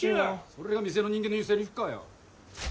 それが店の人間の言うせりふかよ。